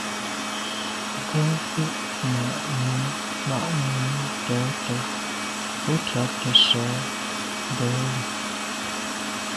Bwɔ́ŋkə́ʼ mǎʼ mùní tɔ̌ tɔ́ bú trǎt nə̀ sǒ ndǒlî.